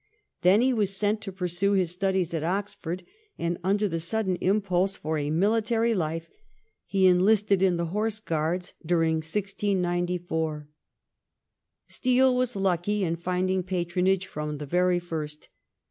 Then he was sent to pursue his studies at Oxford, and under the sudden impulse for a mihtary life he enlisted in the Horse Guards during 1694. Steele was lucky in finding patronage from the very first.